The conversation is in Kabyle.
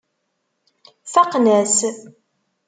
Faqen-as.